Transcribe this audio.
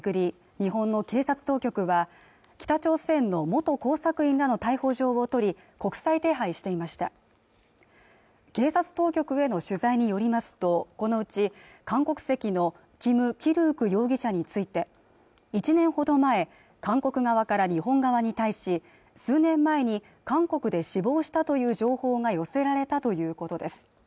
日本の警察当局は北朝鮮の元工作員らの逮捕状を取り国際手配していました警察当局への取材によりますとこのうち韓国籍のキム・キルウク容疑者について１年ほど前韓国側から日本側に対し数年前に韓国で死亡したという情報が寄せられたということです